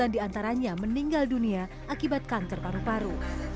sepuluh sembilan di antaranya meninggal dunia akibat kanker paru paru